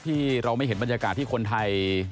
ที่เราไม่เห็นบรรยากาศที่คนไทย